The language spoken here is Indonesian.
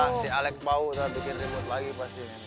nah si alec pau itu bikin ribut lagi pasti